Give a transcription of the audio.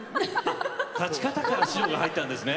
立ち方から指導が入ったんですね。